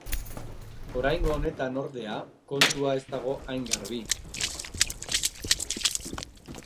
Oraingo honetan, ordea, kontua ez da dago hain garbi.